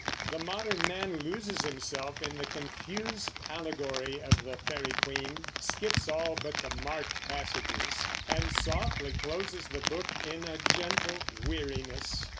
The modern man loses himself in the confused allegory of the Faery Queen, skips all but the marked passages, and softly closes the book in gentle weariness.